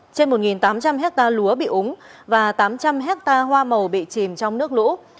trên một tám trăm linh hectare lúa bị úng và tám trăm linh hectare hoa màu bị chìm trong nước lũ